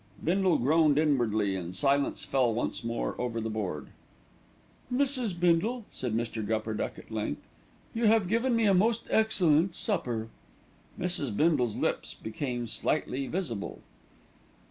Bindle groaned inwardly, and silence fell once more over the board. "Mrs. Bindle," said Mr. Gupperduck at length, "you have given me a most excellent supper." Mrs. Bindle's lips became slightly visible.